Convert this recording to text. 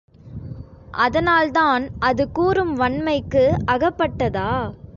அதனால் தான், அது கூறும் வன்மைக்கு அகப்பட்டதா?